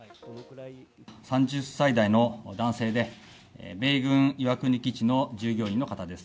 ３０歳代の男性で、米軍岩国基地の従業員の方です。